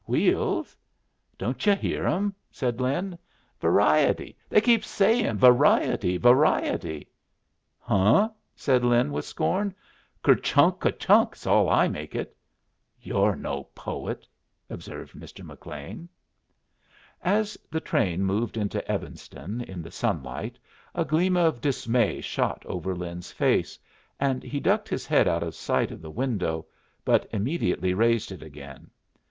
"Wheels?" "Don't yu' hear 'em?" said Lin. "'Variety,' they keep a sayin'. 'Variety, variety.'" "Huh!" said Honey, with scorn. "'Ker chunka chunk' 's all I make it." "You're no poet," observed Mr. McLean. As the train moved into Evanston in the sunlight, a gleam of dismay shot over Lin's face, and he ducked his head out of sight of the window, but immediately raised it again.